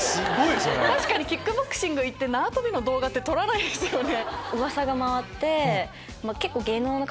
確かにキックボクシング行って縄跳びの動画撮らないですよね。